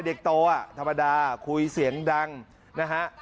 เด็กโตอ่ะธรรมดาคุยเสียงดังนะฮะ